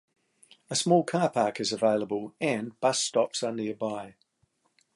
A small car park is available, and bus stops are nearby.